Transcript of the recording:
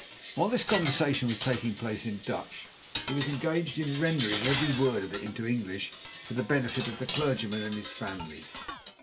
While this conversation was taking place in Dutch he was engaged in rendering every word of it into English for the benefit of the clergyman and his family.